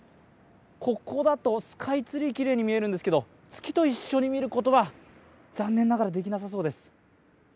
ここだとスカイツリー、きれいに見えるんですけど、月と一緒に見ることは残念ながらできなさそうです。